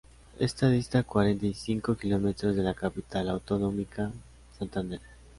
Esta dista cuarenta y cinco kilómetros de la capital autonómica, Santander.